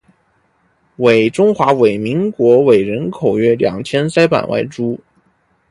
中华民国人口约二千三百万人